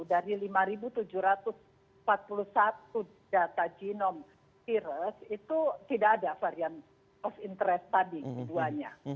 dari lima tujuh ratus empat puluh satu data genom virus itu tidak ada varian of interest tadi keduanya